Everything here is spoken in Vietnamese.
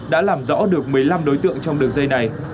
đã làm rõ được một mươi năm đối tượng trong đường dây này